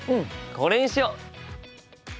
これにしよう！